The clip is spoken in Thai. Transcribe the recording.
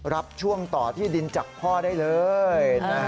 รับช่วงต่อที่ดินจากพ่อได้เลย